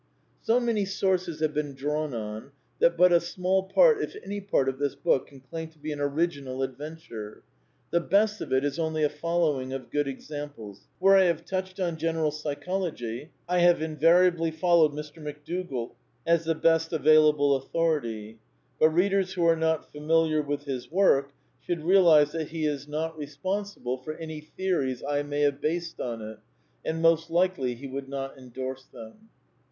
So many sources have been drawn on that but a small part, if any part, of this book can claim to be an original adventure. The best of it is only a following of good examples. Where I have touched on Gteneral Psy chology I have invariably followed Mr. McDougall as the best available authority ; but readers who are not familiar with his work should realize that he is not responsible for \ INTEODUCTION xvii any theories I may have based on it, and most likely he would not endorse them.